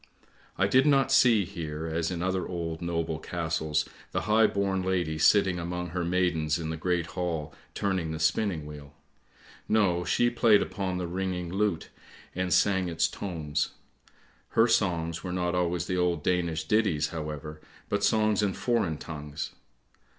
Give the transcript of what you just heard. " I did not see here, as in other old noble castles, the high born lady sitting among her maidens in the great hall turning the spinning wheel. No, she played upon the ringing lute, and sang to its tones. Her songs were not always the old Danish ditties, however, but songs in foreign tongues.